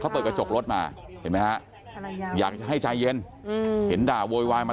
เขาเปิดกระจกรถมาเห็นไหมฮะอยากจะให้ใจเย็นเห็นด่าโวยวายมา